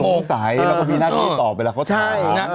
สงสัยแล้วก็มีหน้าที่ตอบเวลาเขาถ่าย